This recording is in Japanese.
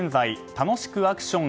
楽しくアクション！